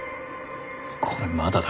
これまだだ。